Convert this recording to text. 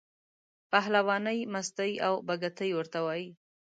پهلوانۍ، مستۍ او بګتۍ ورته وایي.